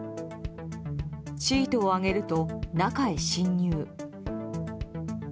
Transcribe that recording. シートを上げると中へ侵入。